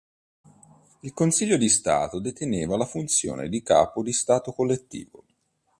Il Consiglio di Stato deteneva la funzione di capo di stato collettivo.